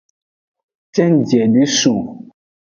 Cenjie de sun o.